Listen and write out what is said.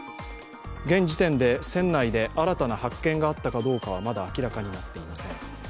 現時点で船内で新たな発見があったかどうかはまだ明らかになっていませｈ。